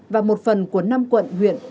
và một phần của năm quận huyện